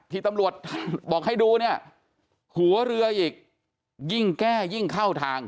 ที่ตำรวจบอกให้ดูเนี่ยหัวเรืออีกยิ่งแก้ยิ่งเข้าทาง